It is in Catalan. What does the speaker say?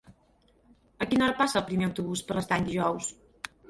A quina hora passa el primer autobús per l'Estany dijous?